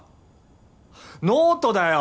ノートだよ！